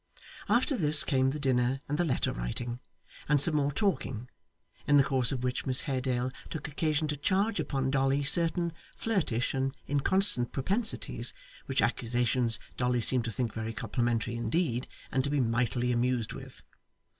After this, came the dinner and the letter writing, and some more talking, in the course of which Miss Haredale took occasion to charge upon Dolly certain flirtish and inconstant propensities, which accusations Dolly seemed to think very complimentary indeed, and to be mightily amused with.